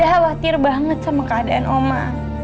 saya khawatir banget sama keadaan oma